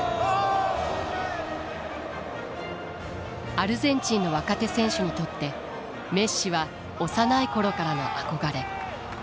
アルゼンチンの若手選手にとってメッシは幼い頃からの憧れ。